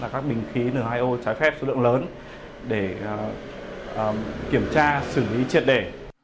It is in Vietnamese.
phát minh khí n hai o trái phép số lượng lớn để kiểm tra xử lý triệt đề